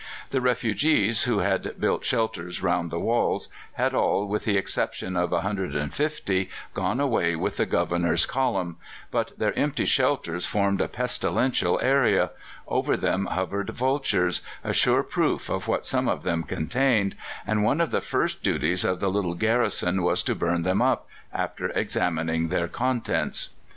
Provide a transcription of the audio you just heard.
The refugees, who had built shelters round the walls, had all, with the exception of 150, gone away with the Governor's column; but their empty shelters formed a pestilential area: over them hovered vultures a sure proof of what some of them contained and one of the first duties of the little garrison was to burn them up, after examining their contents.